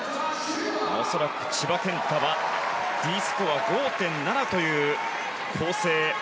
恐らく千葉健太はＤスコア５．７という構成。